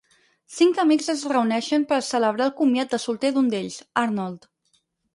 Cinc amics es reuneixen per celebrar el comiat de solter d'un d'ells, Arnold.